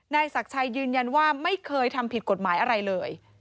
ศักดิ์ชัยยืนยันว่าไม่เคยทำผิดกฎหมายอะไรเลย